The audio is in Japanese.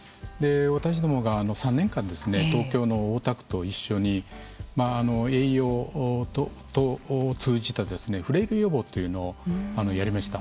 私どもが、３年間東京の大田区と一緒に栄養を通じてフレイル予防というものをやりました。